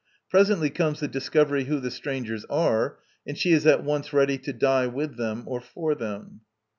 Presently comes the discovery who the strangers are; and she is at once ready to die with them or for them.